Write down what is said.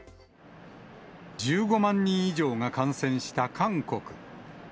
１５万人以上が感染した韓国。